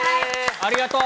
ありがとう。